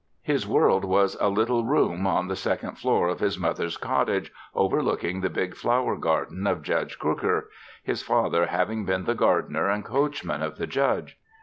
His world was a little room on the second floor of his mother's cottage overlooking the big flower garden of Judge Crooker his father having been the gardener and coachman of the Judge.